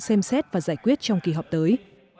xem xét và giải quyết trong kỳ họp tới